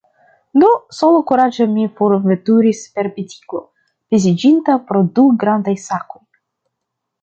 Do, sola, kuraĝe mi forveturis per biciklo, peziĝinta pro du grandaj sakoj.